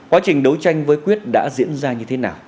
quá trình đấu tranh với quyết đã diễn ra như thế nào